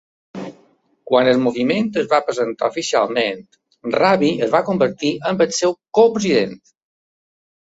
Quan el moviment es va presentar oficialment, Raby es va convertir en el seu copresident.